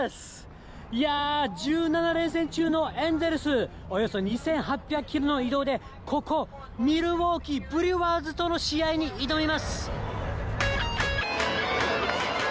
いやー、１７連戦中のエンゼルス、およそ２８００キロの移動で、ここ、ミルウォーキー、ブリュワーズとの試合に挑みます。